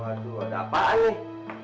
waduh ada apaan nih